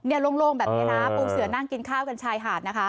โล่งแบบนี้นะปูเสือนั่งกินข้าวกันชายหาดนะคะ